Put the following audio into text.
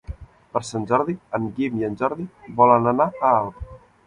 Per Sant Jordi en Guim i en Jordi volen anar a Alp.